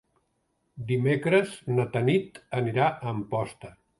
Dimecres na Tanit anirà a Amposta.